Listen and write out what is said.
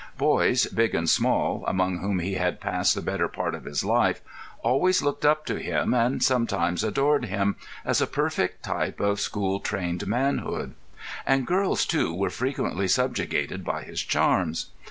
Boys, big and small, among whom he had passed the better part of his life, always looked up to him, and sometimes adored him, as a perfect type of school trained manhood; and girls, too, were frequently subjugated by his charms.